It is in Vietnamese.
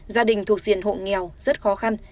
gia đình thuộc diện hộ nghèo rất khó khăn